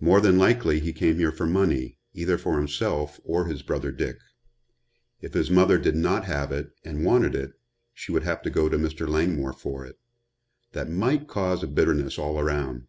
"More than likely he came here for money, either for himself or his brother Dick. If his mother did not have it and wanted it she would have to go to Mr. Langmore for it. That might cause a bitterness all around.